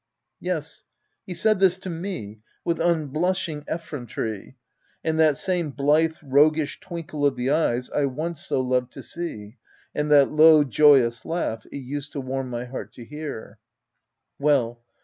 Yes ; he said this to me — with unblushing effrontery, and that same blythe, roguish twinkle of the eyes I once so loved to see, and that low, joyous laugh it used to warm my heart to hear. Well